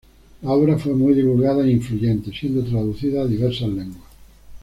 La obra fue muy divulgada e influyente, siendo traducida a diversas lenguas.